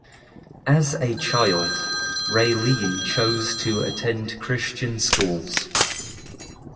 As a child, Raylene chose to attend Christian schools.